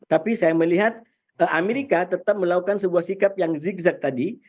tapi saya melihat amerika tetap melakukan sebuah sikap yang zigzag tadi